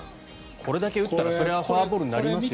これだけ打ったらそりゃフォアボールになりますよ。